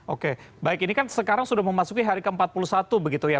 oke baik ini kan sekarang sudah memasuki hari ke empat puluh satu begitu ya